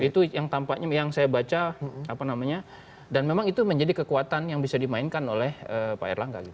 itu yang tampaknya yang saya baca apa namanya dan memang itu menjadi kekuatan yang bisa dimainkan oleh pak erlangga